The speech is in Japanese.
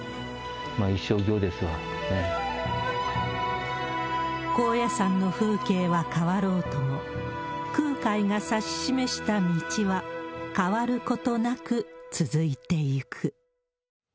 一生、高野山の風景は変わろうとも、空海が指し示した道は変わることなく続いていく。